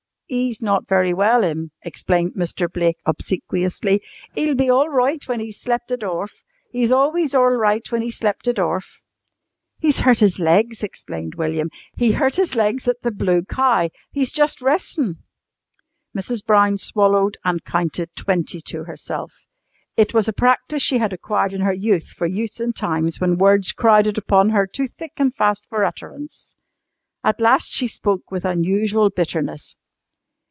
"'E's not very well 'm," explained Mr. Blake obsequiously. "'E'll be orl roight when 'e's slep' it orf. 'E's always orl roight when 'e's slep' 'it orf." "He's hurt his legs," explained William. "He hurt his legs at the Blue Cow. He's jus' restin'!" Mrs. Brown swallowed and counted twenty to herself. It was a practice she had acquired in her youth for use in times when words crowded upon her too thick and fast for utterance. At last she spoke with unusual bitterness.